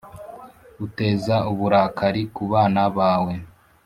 uteza uburakari ku bana bawe,